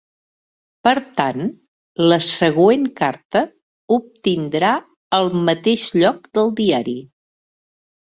Per tant, la següent carta obtindrà el mateix lloc del diari.